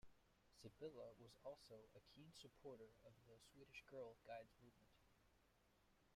Sibylla was also a keen supporter of the Swedish Girl Guides movement.